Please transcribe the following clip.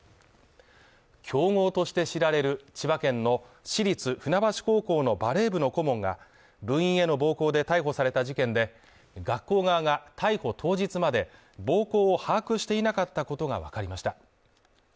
強豪として知られる千葉県の市立船橋高校のバレー部の顧問が部員への暴行で逮捕された事件で、学校側が逮捕当日まで暴行を把握していなかったことがわかりました。